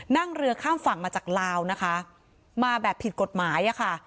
นั่งเรือข้ามฝั่งมาจากลาวนะคะมาแบบผิดกฎหมายอะค่ะ